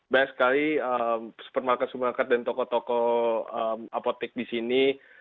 banyak sekali supermarket supermarket dan tokoh tokoh apotek di sini